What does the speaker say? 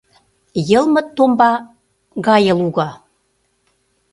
Йылме томба гае луга.